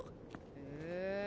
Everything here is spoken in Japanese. へえ。